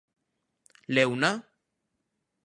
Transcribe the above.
¿Leuna?